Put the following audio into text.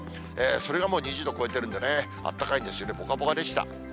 それがもう２０度超えてるんでね、あったかいんです、ぽかぽかでした。